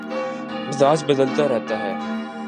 مزاج بدلتا رہتا ہے